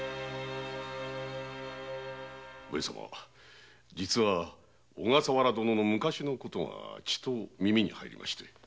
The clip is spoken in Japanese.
上様実は小笠原殿の昔のことがちと耳に入りまして。